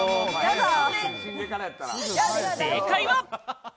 正解は。